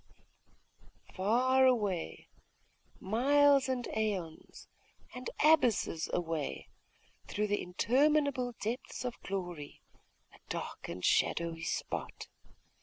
............... Far away, miles, and aeons, and abysses away, through the interminable depths of glory, a dark and shadowy spot.